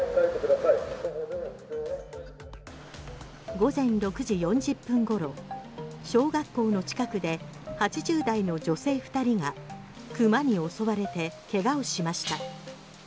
午前６時４０分ごろ小学校の近くで８０代の女性２人が熊に襲われて怪我をしました。